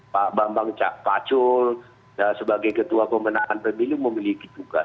pak bambang pacul sebagai ketua pemenangan pemilu memiliki tugas